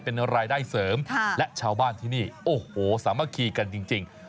เป็นรายได้เสริมและชาวบ้านที่นี่โอ้โหสามัคคีกันจริง